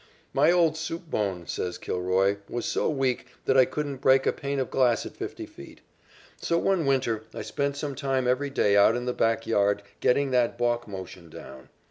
"My old soup bone," says Kilroy, "was so weak that I couldn't break a pane of glass at fifty feet. So one winter I spent some time every day out in the back yard getting that balk motion down.